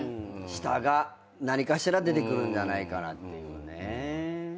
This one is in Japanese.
下が何かしら出てくるんじゃないかなっていう。